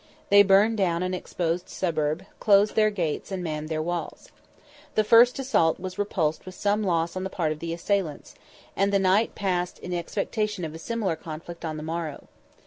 They burned down an exposed suburb, closed their gates, and manned their walls. The first assault was repulsed with some loss on the part of the assailants, and the night past in expectation of a similar conflict on the morrow.